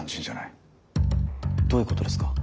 どういうことですか？